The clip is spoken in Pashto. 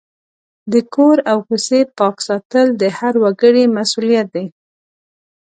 د کور او کوڅې پاک ساتل د هر وګړي مسؤلیت دی.